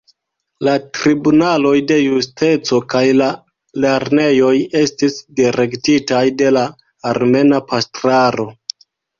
La tribunaloj de justeco kaj la lernejoj estis direktitaj de la armena pastraro.